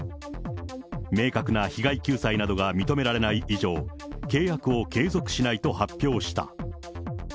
明確な被害救済などが認められない以上、契約を継続しないと発表した。